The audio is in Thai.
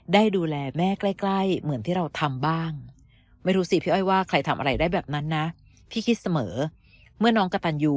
ได้ดูแลแม่ใกล้เหมือนที่เราทำบ้าง